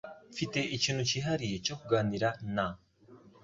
Mfite ikintu cyihariye cyo kuganira na